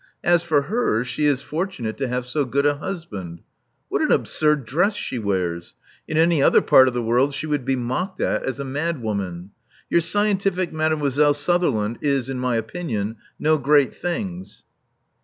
As for her, she is fortunate to have so good a husband. What an absurd dress she wears! In any other part of the world she would be mocked at as a madwoman. Your scientific Mademoiselle Sutherland is, in my opinion, no great things."